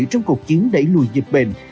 trong cuộc chiến đẩy lùi dịch bệnh